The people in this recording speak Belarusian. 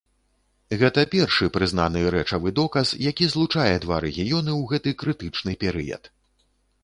Гэта першы прызнаны рэчавы доказ, які злучае два рэгіёны ў гэты крытычны перыяд.